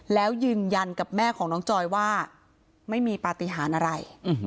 แล้วยืนยันกับแม่ของน้องจอยว่าไม่มีปฏิหารอะไร